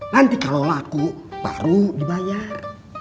nanti kalau laku baru dibayar